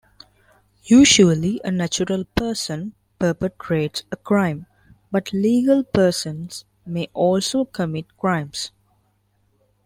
Usually a natural person perpetrates a crime, but legal persons may also commit crimes.